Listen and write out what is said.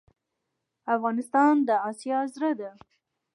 افغانستان د آسیا زړه ده.